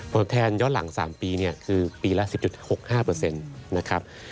บริเวณแทนย้อนหลัง๓ปีคือปีละ๑๐๖๕นะครับ